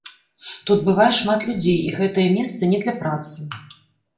Тут бывае шмат людзей, і гэтае месца не для працы.